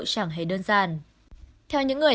chẳng hề đơn giản theo những người